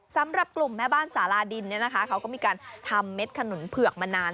สำหรับกลุ่มแม่บ้านสาราดินเขาก็มีการทำเม็ดขนุนเผือกมานาน